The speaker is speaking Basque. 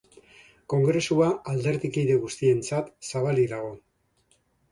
Kongresua alderdikide guztientzat zabalik dago.